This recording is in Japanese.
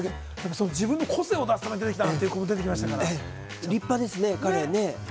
自分の個性を出すために出してきたという人が出てきましたから、立派ですね。